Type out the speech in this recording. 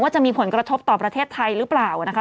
จะมีผลกระทบต่อประเทศไทยหรือเปล่านะคะ